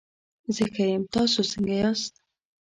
زه ښه یم، تاسو څنګه ياست؟